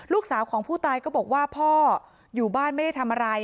ลูกสาวของผู้ตายก็บอกว่าพ่ออยู่บ้านไม่ได้ทำอะไร